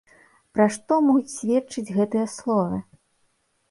Пра што могуць сведчыць гэтыя словы?